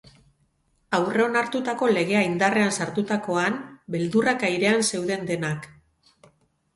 Aurreonartutako legea indarrean sartutakoan, beldurrak airean zeuden denak.